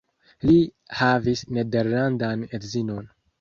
Li havis nederlandan edzinon.